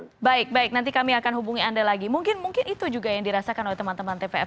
oke baik baik nanti kami akan hubungi anda lagi mungkin mungkin itu juga yang dirasakan oleh teman teman tpf